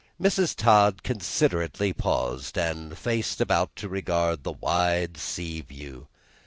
Mrs. Todd considerately paused, and faced about to regard the wide sea view.